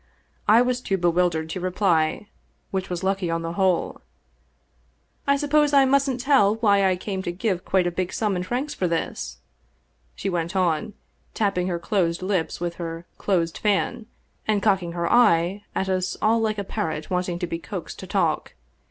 I was too bewildered to reply, which was on the whole lucky. " I suppose I mustn't tell why I came to give quite a big sum in francs for this ?" she went on, tapping her closed lips with her closed fan, and cock ing her eye at us all like a parrot wanting to be coaxed to talk.